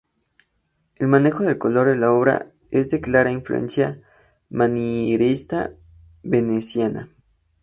El manejo del color en la obra es de clara influencia manierista veneciana.